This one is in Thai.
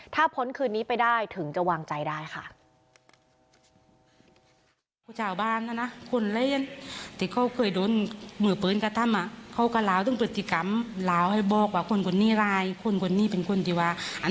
ถ้าพ้นคืนนี้ไปได้ถึงจะวางใจได้ค่ะ